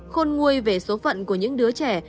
khôn nguôi về số phận của những đứa trẻ